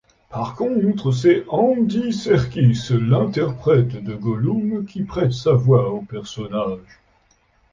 Par contre, c'est Andy Serkis, l'interprète de Gollum, qui prête sa voix au personnage.